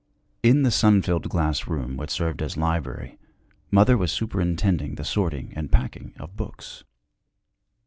In the sun filled glass room which served as library mother was superintending the sorting and packing of books.